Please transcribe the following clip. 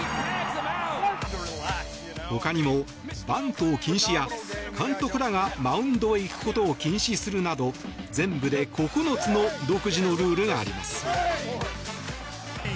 ほかにもバント禁止や監督らがマウンドへ行くことを禁止するなど全部で９つの独自のルールがあります。